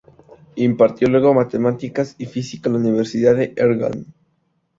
Impartió luego matemáticas y física en la Universidad de Erlangen.